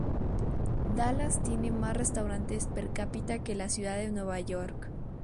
Dallas tiene más restaurantes per cápita que la ciudad de Nueva York.